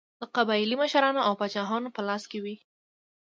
د قبایلي مشرانو او پاچاهانو په لاس کې وې.